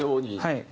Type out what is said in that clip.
はい。